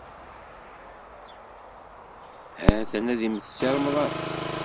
Ha-t-an ad immet Si Remḍan.